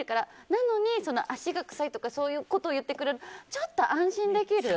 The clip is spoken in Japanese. なのに、足が臭いとかそういうことを言ってくれるとちょっと安心できる。